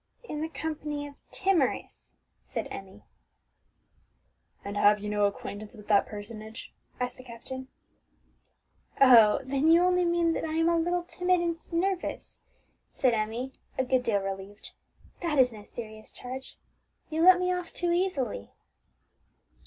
"In the company of Timorous," said Emmie. "And have you no acquaintance with that personage?" asked the captain. "Oh, then you only mean that I am a little timid and nervous," said Emmie, a good deal relieved. "That is no serious charge; you let me off too easily."